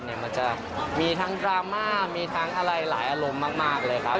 มันจะมีทั้งดราม่ามีทั้งอะไรหลายอารมณ์มากเลยครับ